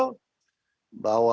kami berpikir bahwa